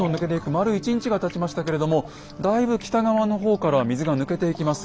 丸１日がたちましたけれどもだいぶ北側の方からは水が抜けていきます。